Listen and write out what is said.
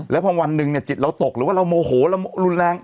แล้วพอวันหนึ่งเนี่ยจิตเราตกหรือว่าเราโมโหเรารุนแรง